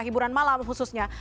hiburan malam khususnya